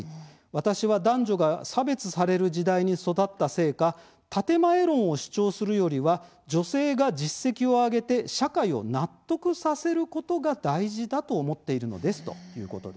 私は男女が差別される時代に育ったせいか建前論を主張するよりは女性が実績を上げて社会を納得させることが大事だと思っているのですということですね。